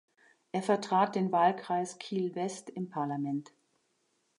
Er vertrat den Wahlkreis Kiel-West im Parlament.